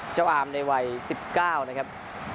อามในวัย๑๙นะครับ